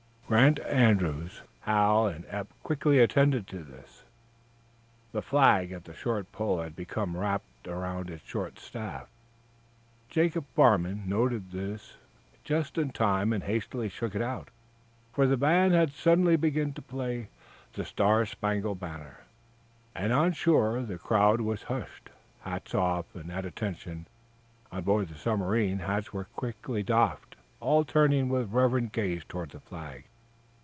Grant Andrews, Hal and Eph quickly attended to this. The flag at the short pole had become wrapped around its short staff. Jacob Farnum noted this just in time and hastily shook it out, for the band had suddenly begun to play "The Star Spangled Banner," and on shore the crowd was hushed, hats off and at attention. On board the submarine hats were quickly doffed, all turning with reverent gaze toward the Flag!